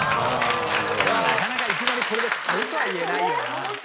「なかなかいきなりこれで買うとは言えないよな」